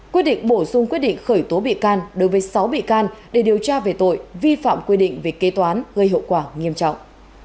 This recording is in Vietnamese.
quyết định bổ sung quyết định khởi tố bị can đối với sáu bị can để điều tra về tội vi phạm quy định về kê toán gây hậu quả nghiêm trọng